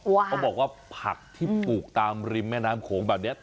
เขาบอกว่าผักที่ปลูกตามริมแม่น้ำโขงแบบนี้